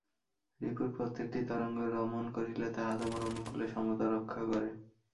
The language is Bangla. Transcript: রিপুর প্রত্যেকটি তরঙ্গ দমন করিলে তাহা তোমার অনুকূলে সমতা রক্ষা করে।